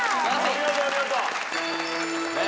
お見事お見事。